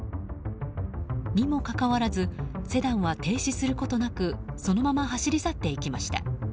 にもかかわらずセダンは停止することなくそのまま走り去っていきました。